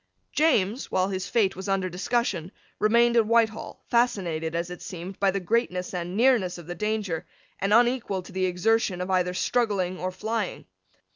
James, while his fate was under discussion, remained at Whitehall, fascinated, as it seemed, by the greatness and nearness of the danger, and unequal to the exertion of either struggling or flying.